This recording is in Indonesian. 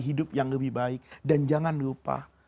hidup yang lebih baik dan jangan lupa